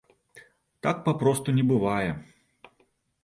Так папросту не бывае!